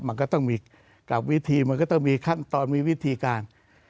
มันก็ต้องมีกับวิธีมันก็ต้องมีขั้นตอนมีวิธีการ